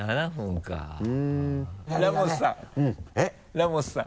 ラモスさん。